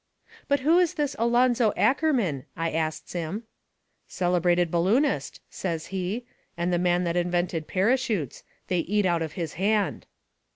"But who is this Alonzo Ackerman?" I asts him. "Celebrated balloonist," says he, "and the man that invented parachutes. They eat out of his hand."